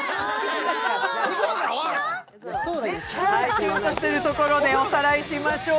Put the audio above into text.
キュンとしてるところでおさらいしましょう。